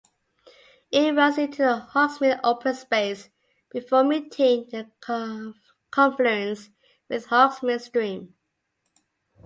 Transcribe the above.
It runs into the Hogsmill Open Space before meeting the confluence with Hogsmill Stream.